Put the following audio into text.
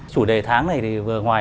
chủ đề tháng này thì vừa ngoài